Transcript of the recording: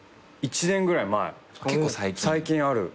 １年ぐらい前最近ある。